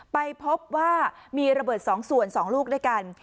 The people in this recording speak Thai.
ไปพบว่ามีระเบิด๒ส่วน๒ลูกด้วยกัน